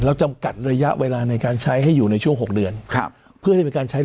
และจำกัดระยะเวลาในการใช้ที่๖เดือน